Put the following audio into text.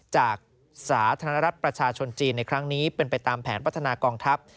สาธารณรัฐประชาชนจีนในครั้งนี้เป็นไปตามแผนพัฒนากองทัพ